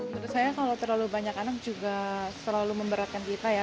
menurut saya kalau terlalu banyak anak juga selalu memberatkan kita ya